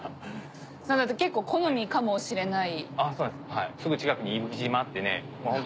なので結構好みかもしれない。